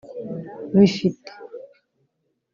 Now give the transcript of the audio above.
bifite